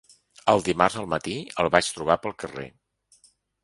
El dimarts al matí el vaig trobar pel carrer